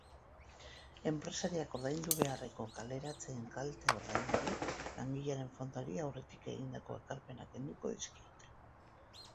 Enpresariak ordaindu beharreko kaleratzeen kalte-ordainari langilearen fondoari aurretik egindako ekarpenak kenduko dizkiote.